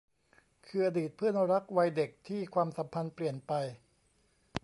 คืออดีตเพื่อนรักวัยเด็กที่ความสัมพันธ์เปลี่ยนไป